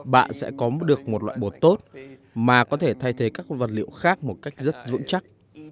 bạn sẽ có được một loại bột tốt mà có thể thay thế các vật liệu khác một cách rất vững chắc